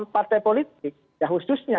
partai politik yang khususnya